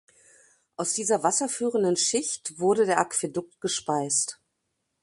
Aus dieser wasserführenden Schicht wurde der Aquädukt gespeist.